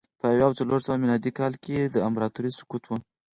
په اویا او څلور سوه میلادي کال کې د امپراتورۍ سقوط و